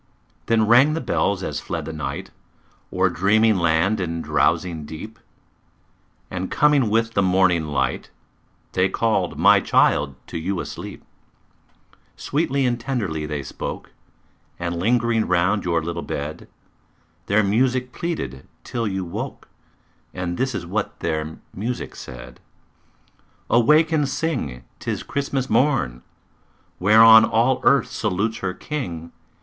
Then rang the bells as fled the night O'er dreaming land and drowsing deep, And coming with the morning light, They called, my child, to you asleep. Sweetly and tenderly they spoke, And lingering round your little bed, Their music pleaded till you woke, And this is what their music said: "Awake and sing! 'tis Christmas morn, Whereon all earth salutes her King!